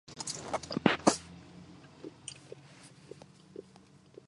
En el municipio se encuentra el yacimiento de ""La rueda"".